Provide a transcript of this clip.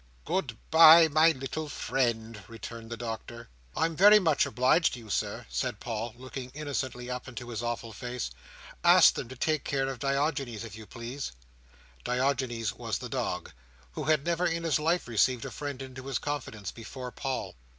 "Good bye, my little friend," returned the Doctor. "I'm very much obliged to you, Sir," said Paul, looking innocently up into his awful face. "Ask them to take care of Diogenes, if you please." Diogenes was the dog: who had never in his life received a friend into his confidence, before Paul.